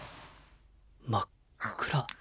真っ暗。